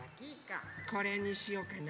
これにしようかな。